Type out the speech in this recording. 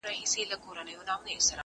دا زدکړه له هغه ګټوره ده؟